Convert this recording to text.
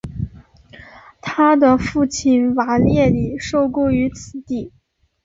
他的父亲瓦列里受雇于此地。